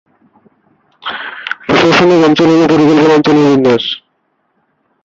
প্রশাসনিক অঞ্চল হলো পরিকল্পনা অঞ্চলের বিন্যাস।